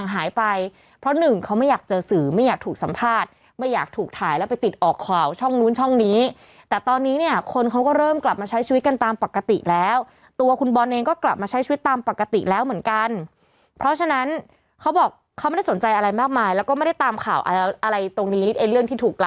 หายไปเพราะหนึ่งเขาไม่อยากเจอสื่อไม่อยากถูกสัมภาษณ์ไม่อยากถูกถ่ายแล้วไปติดออกข่าวช่องนู้นช่องนี้แต่ตอนนี้เนี่ยคนเขาก็เริ่มกลับมาใช้ชีวิตกันตามปกติแล้วตัวคุณบอลเองก็กลับมาใช้ชีวิตตามปกติแล้วเหมือนกันเพราะฉะนั้นเขาบอกเขาไม่ได้สนใจอะไรมากมายแล้วก็ไม่ได้ตามข่าวอะไรตรงนี้ไอ้เรื่องที่ถูกกล